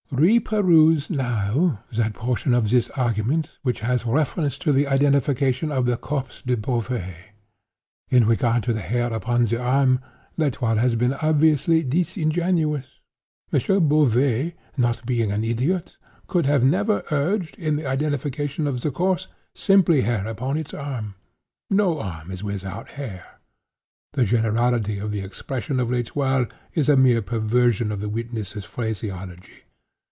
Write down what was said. "Reperuse now that portion of this argument which has reference to the identification of the corpse by Beauvais. In regard to the hair upon the arm, L'Etoile has been obviously disingenuous. M. Beauvais, not being an idiot, could never have urged, in identification of the corpse, simply hair upon its arm. No arm is without hair. The generality of the expression of L'Etoile is a mere perversion of the witness' phraseology.